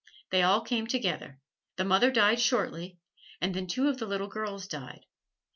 They all came together. The mother died shortly, and then two of the little girls died.